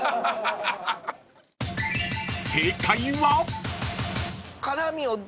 ［正解は？］